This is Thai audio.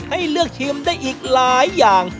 ให้เลือกชิมได้อีกหลายอย่าง